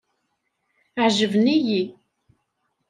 Ɛejben-iyi.